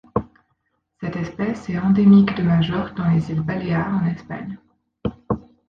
Cette espèce est endémique de Majorque dans les îles Baléares en Espagne.